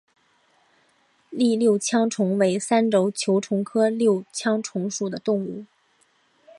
栗六枪虫为三轴球虫科六枪虫属的动物。